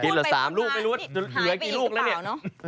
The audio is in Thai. กินเหลือ๓ลูกไม่รู้ว่าจะหายไปกี่ลูกนะเนี่ย